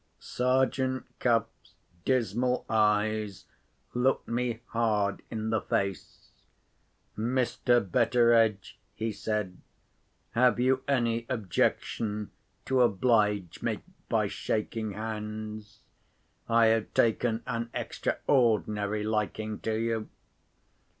Sergeant Cuff's dismal eyes looked me hard in the face. "Mr. Betteredge," he said, "have you any objection to oblige me by shaking hands? I have taken an extraordinary liking to you."